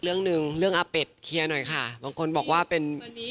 เรื่องหนึ่งเรื่องอาเป็ดเคลียร์หน่อยค่ะบางคนบอกว่าเป็น